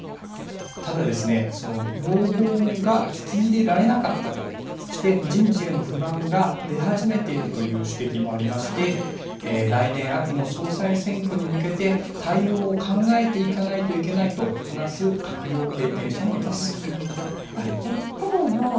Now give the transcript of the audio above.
ただですね、その要望が聞き入れられなかったとして、人事への不満が出始めているという指摘もありまして、来年秋の総裁選挙に向けて対応を考えていかないといけないと話す閣僚経験者もいます。